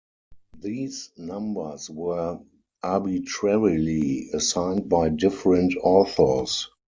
These numbers were arbitrarily assigned by different authors.